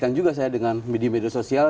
yang juga saya dengan media media sosial